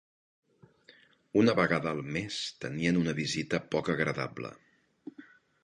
Una vegada al mes teníen una visita poc agradable.